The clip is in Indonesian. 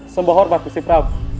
semba hormat gusti prabu